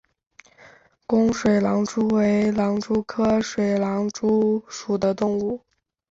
弓水狼蛛为狼蛛科水狼蛛属的动物。